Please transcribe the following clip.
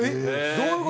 どういう事？